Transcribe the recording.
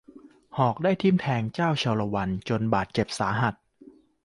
หอกได้ทิ่มแทงเจ้าชาละวันจนบาดเจ็บสาหัส